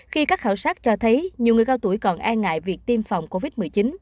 khi các khảo sát cho thấy nhiều người cao tuổi còn e ngại việc tiêm phòng covid một mươi chín